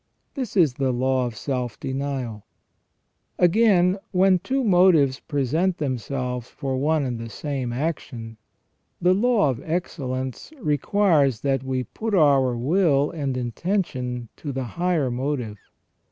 This is the law of self denial. Again, when two motives present themselves for one and the same action, the law of excellence requires that we put our will and intention to the higher motive.